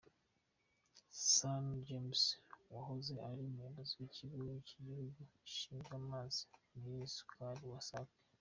Sano James wahoze ari Umuyobozi w’Ikigo cy’Igihugu gishinzwe amazi n’isukura, Wasac.